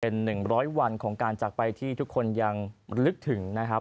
เป็น๑๐๐วันของการจากไปที่ทุกคนยังลึกถึงนะครับ